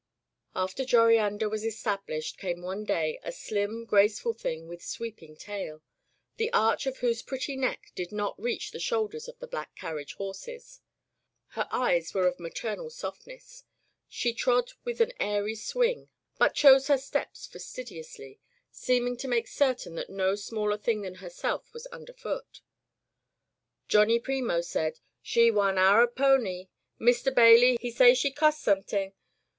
After Joriander was established came one day a slim, graceful thing with sweeping tail, the arch of whose pretty neck did not reach the shoulders of the black carriage horses. Her eyes were of maternal softness. She trod with an airy swing, but chose her steps fastidiously, seeming to make certain that no smaller thing than herself was under foot. Johnny Premo said: "She one Arab pony. Mr. Bailey, he say she cos' someting.